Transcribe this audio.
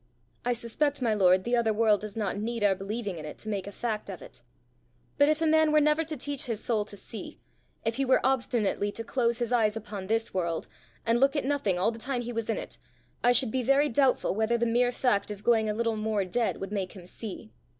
"I suspect, my lord, the other world does not need our believing in it to make a fact of it. But if a man were never to teach his soul to see, if he were obstinately to close his eyes upon this world, and look at nothing all the time he was in it, I should be very doubtful whether the mere fact of going a little more dead, would make him see.